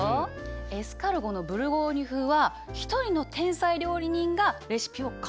エスカルゴのブルゴーニュ風は一人の天才料理人がレシピを完成させたの。